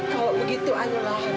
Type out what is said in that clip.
kalau begitu ayolah riz